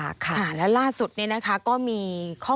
สวัสดีค่ะสวัสดีค่ะ